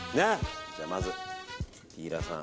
まず、ピーラーさん。